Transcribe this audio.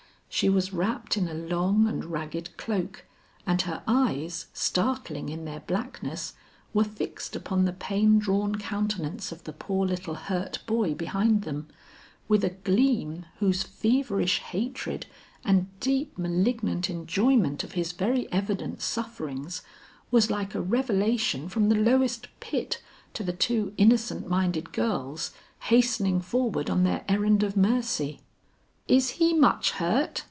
She was wrapped in a long and ragged cloak, and her eyes, startling in their blackness, were fixed upon the pain drawn countenance of the poor little hurt boy behind them, with a gleam whose feverish hatred and deep malignant enjoyment of his very evident sufferings, was like a revelation from the lowest pit to the two innocent minded girls hastening forward on their errand of mercy. "Is he much hurt?"